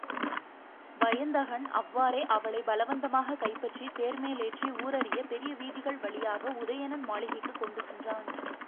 வயந்தகன் அவ்வாறே அவளைப் பலவந்தமாகக் கைப்பற்றித் தேர்மேலேற்றி ஊரறிய பெரிய வீதிகள் வழியாக உதயணன் மாளிகைக்குக் கொண்டு சென்றான்.